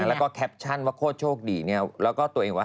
แล้วก็แคปชั่นว่าโคตรโชคดีเนี่ยแล้วก็ตัวเองว่า